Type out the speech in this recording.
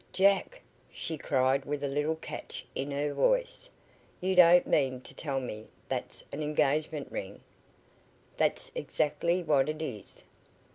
"Jack!" she cried with a little catch in her voice. "You don't mean to tell me that's an engagement Ting?" "That's exactly what it is."